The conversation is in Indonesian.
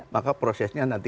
maka prosesnya nanti